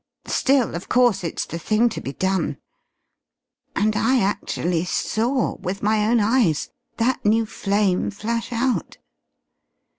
Still, of course, it's the thing to be done.... And I actually saw, with my own eyes, that new flame flash out!"